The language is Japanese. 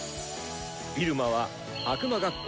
入間は悪魔学校